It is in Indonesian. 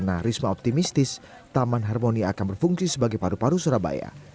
nah risma optimistis taman harmoni akan berfungsi sebagai paru paru surabaya